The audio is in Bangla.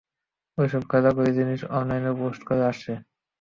ও এসব গাঁজাখুরি জিনিস অনলাইনেও পোস্ট করে আসছে।